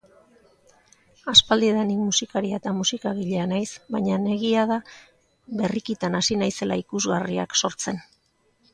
Aspaldidanik musikaria eta musikagilea naiz bainan egia da berrikitan hasi naizela ikusgarriak sortzen.